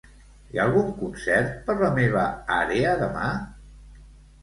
Hi ha algun concert per la meva àrea demà?